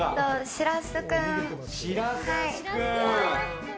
しらす君。